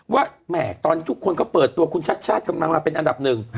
แหม่ตอนนี้ทุกคนก็เปิดตัวคุณชัดชาติกำลังมาเป็นอันดับหนึ่ง